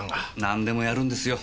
なんでもやるんですよ。